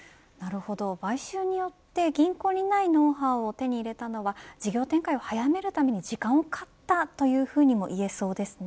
買収によって銀行にないノウハウを手に入れたのは事業展開を早めるために時間を買ったというふうにも言えそうですね。